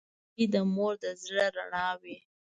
• زوی د مور د زړۀ رڼا وي.